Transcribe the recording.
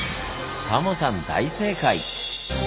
タモさん大正解！